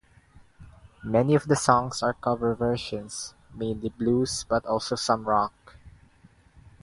Many of the songs are cover versions, mainly blues, but also some rock.